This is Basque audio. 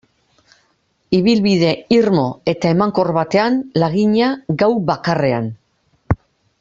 Ibilbide irmo eta emankor baten lagina, gau bakarrean.